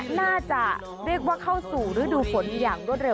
น่าจะเรียกว่าเข้าสู่ฤดูฝนอย่างรวดเร็